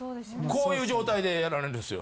こういう状態でやられるんですよ。